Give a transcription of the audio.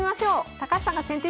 高橋さんが先手です。